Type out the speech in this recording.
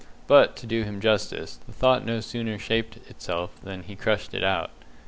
But, to do him justice, the thought no sooner shaped itself than he crushed it out.